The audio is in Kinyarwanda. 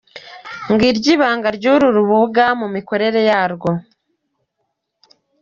Ngiryo ibanga ry’uru rubuga mu mikorere yarwo.